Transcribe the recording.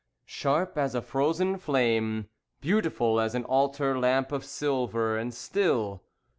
Sharp as a frozen flame, Beautiful as an altar lamp of silver, And still.